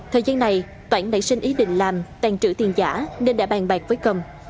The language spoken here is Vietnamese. thời gian này toãn đã xin ý định làm tàn trữ tiền giả nên đã bàn bạc với cầm